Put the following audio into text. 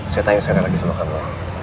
saya tanya sekali lagi sama kami